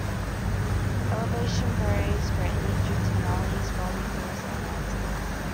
Elevation varies greatly due to the valleys, rolling hills, and mountains.